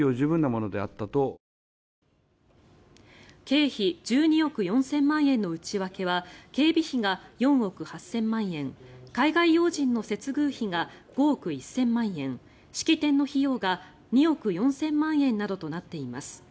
経費１２億４０００万円の内訳は警備費が４億８０００万円海外要人の接遇費が５億１０００万円式典の費用が２億４０００万円などとなっています。